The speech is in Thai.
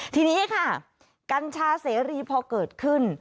ทีนี้ค่ะกัญชาเสรีพอเกิดขึ้น